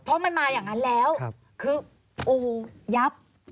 เพราะมันมาอย่างนั้นแล้วคือโอ้โหยับ